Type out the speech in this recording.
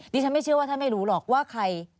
ดิฉันไม่เชื่อว่าท่านไม่รู้หรอกว่าใคร